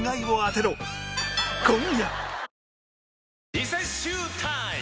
リセッシュータイム！